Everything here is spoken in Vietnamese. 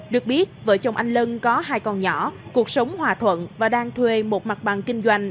được biết vợ chồng anh lân có hai con nhỏ cuộc sống hòa thuận và đang thuê một mặt bằng kinh doanh